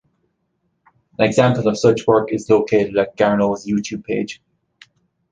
An example of such work is located at Garneau's YouTube page.